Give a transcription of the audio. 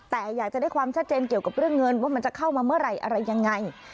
แต่อยากจะได้ความชัดเจนเกี่ยวกับเรื่องเงินว่ามันจะเข้ามาเมื่อไหร่อะไรยังไง